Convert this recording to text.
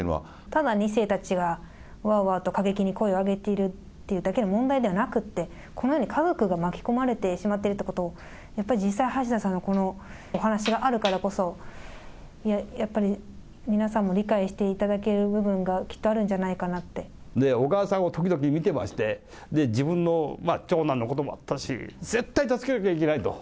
ただ２世たちがわーわーと過激に声を上げているというだけの問題ではなくって、このように家族が巻き込まれてしまっているということを、やっぱり実際橋田さんのこのお話があるからこそ、やっぱり皆さんも理解していただける部分がきっとあるんじゃない小川さんを時々見てまして、自分の長男のこともあったし、絶対助けなきゃいけないと。